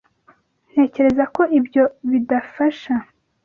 Ntekereza ko ibyo bidafasha.